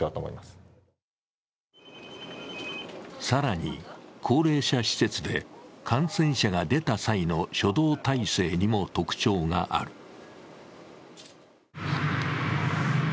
更に、高齢者施設で感染者が出た際の初動態勢にも特徴がある。